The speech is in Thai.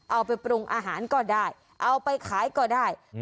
เอาไปปรุงอาหารก็ได้เอาไปขายก็ได้